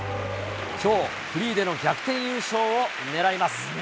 きょう、フリーでの逆転優勝をねらいます。